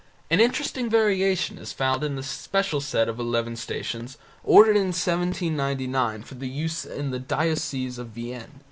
An interesting variation is found in the special set of eleven stations ordered in 1799 for use in the diocese of Vienne.